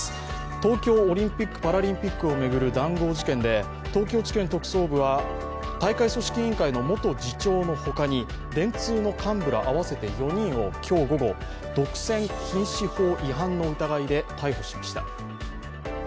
東京オリンピック・パラリンピックを巡る談合事件で東京地検特捜部は大会組織委員会の元次長のほかに、電通の幹部ら合わせて４人を今日午後、独占禁止法違反の疑いで逮捕しました。